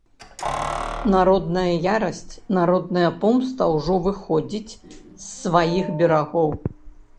Народная ярасць, народная помста ўжо выходзіць з сваіх берагоў.